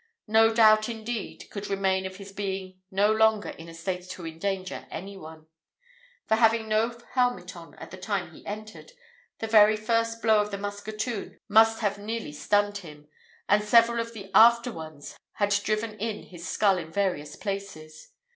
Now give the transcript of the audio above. No doubt, indeed, could remain of his being no longer in a state to endanger any one; for having no helmet on at the time he entered, the very first blow of the musketoon must have nearly stunned him, and several of the after ones had driven in his skull in various places.